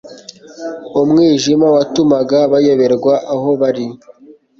Umwijima watumaga bayoberwa aho bari,